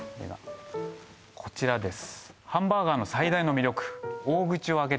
こちらです